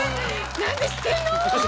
なんで知ってんの！